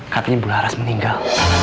katanya bu haras meninggal